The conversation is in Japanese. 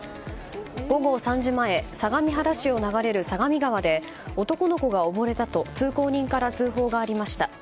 午後３時前相模原市を流れる相模川で男の子が溺れたと通行人から通報がありました。